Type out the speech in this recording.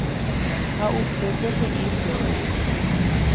ha upépe he'i chéve